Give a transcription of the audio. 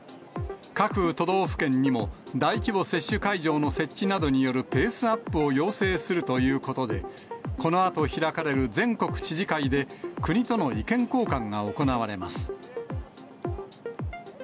各都道府県にも、大規模接種会場の設置などによるペースアップを要請するということで、このあと開かれる全国知事会で、国との意見交換が行われます。